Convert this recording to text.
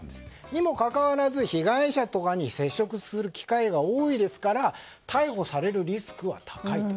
にもかかわらず被害者とかに接触する機会が多いですから逮捕されるリスクは高いと。